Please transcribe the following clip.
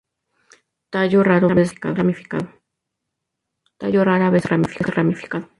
Tallo rara vez ramificado.